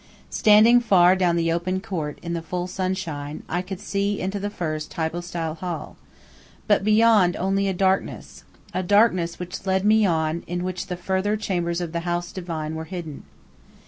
Standing far down the open court, in the full sunshine, I could see into the first hypostyle hall, but beyond only a darkness a darkness which led me on, in which the further chambers of the house divine were hidden.